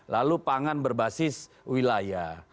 lalu pangan berbasis wilayah